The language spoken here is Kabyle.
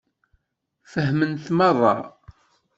Fehment meṛṛa?